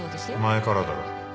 前からだろ。